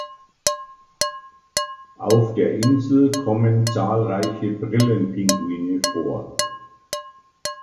Auf der Insel kommen zahlreiche Brillenpinguine vor.